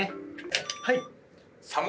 はい。